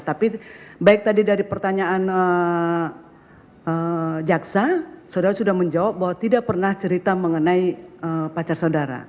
tapi baik tadi dari pertanyaan jaksa saudara sudah menjawab bahwa tidak pernah cerita mengenai pacar saudara